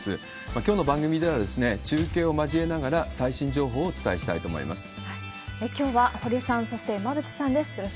きょうの番組では、中継を交えながら、最新情報をお伝えしたいと思きょうは堀さん、そして馬渕さんです。